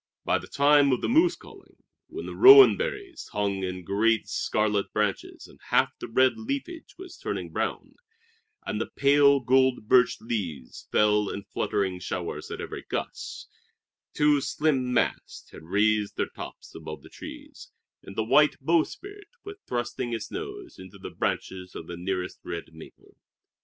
By the time of the moose calling, when the rowan berries hung in great scarlet bunches and half the red leafage was turning brown, and the pale gold birch leaves fell in fluttering showers at every gust, two slim masts had raised their tops above the trees, and a white bowsprit was thrusting its nose into the branches of the nearest red maple.